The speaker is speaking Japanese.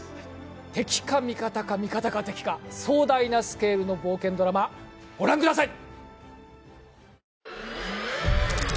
「敵か味方か、味方か敵か」、壮大なスケールの冒険ドラマ、ご覧ください。